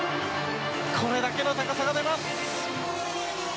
これだけの高さが出ます！